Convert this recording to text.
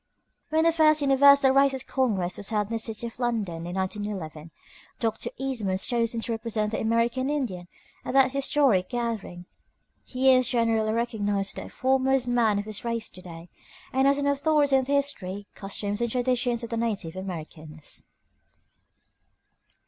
When the first Universal Races Congress was held in the city of London in 1911, Dr. Eastman was chosen to represent the American Indian at that historic gathering. He is generally recognized as the foremost man of his race to day, and as an authority on the history, customs, and traditions of the native Americans.